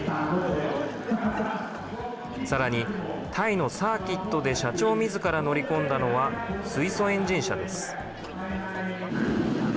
さらに、タイのサーキットで社長みずから乗り込んだのは、水素エンジン車です。